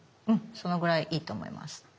そのぐらいいいと思います。